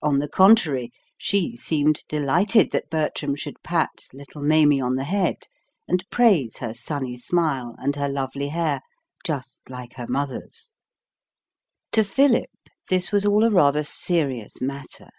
On the contrary, she seemed delighted that Bertram should pat little Maimie on the head, and praise her sunny smile and her lovely hair "just like her mother's." To Philip, this was all a rather serious matter.